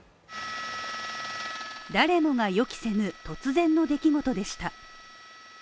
誰もが予期せぬ突然の出来事でした。